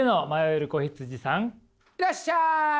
いらっしゃい！